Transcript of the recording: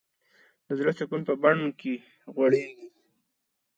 زړه د سکون په بڼ کې غوړېږي.